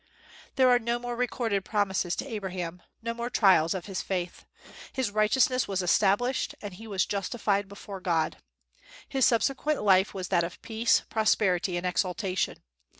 There are no more recorded promises to Abraham, no more trials of his faith. His righteousness was established, and he was justified before God. His subsequent life was that of peace, prosperity, and exaltation.